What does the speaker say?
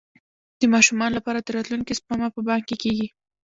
د ماشومانو لپاره د راتلونکي سپما په بانک کې کیږي.